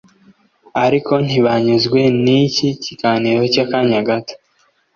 . Ariko ntibanyuzwe n’iki kiganiro cy’akanya gato